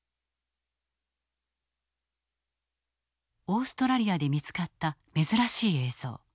オーストラリアで見つかった珍しい映像。